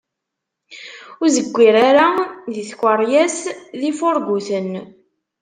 Ur zeggir ara i tkeryas d yifurguten.